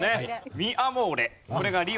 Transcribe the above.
『ミ・アモーレ』。